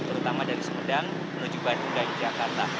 terutama dari sumedang menuju bandung dan jakarta